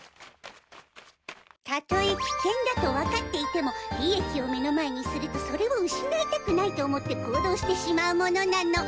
たとえ危険だと分かっていても利益を目の前にするとそれを失いたくないと思って行動してしまうものなの。